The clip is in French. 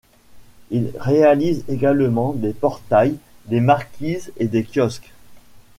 Il réalise également des portails, des marquises et des kiosques.